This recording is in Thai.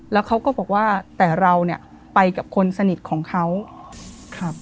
แล้วเขาก็บอกว่าแต่เราเนี่ยไปกับคนสนิทของเขาครับ